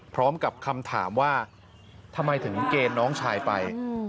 พร้อมกับคำถามว่าทำไมถึงเกณฑ์น้องชายไป